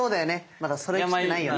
まだそろえきってないよね。